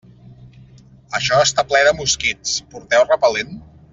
Això està ple de mosquits, porteu repel·lent?